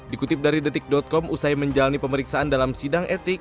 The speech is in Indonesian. dikutip dari detik com usai menjalani pemeriksaan dalam sidang etik